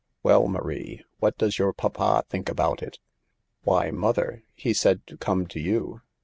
" Well, Marie, what does your papa think about it ?"" Why, mother, he said to come to you."